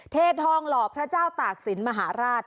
เททองหล่อพระเจ้าตากศิลปมหาราช